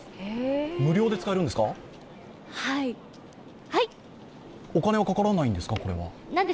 無料で使えるんですか？